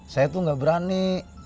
saya tuh gak berani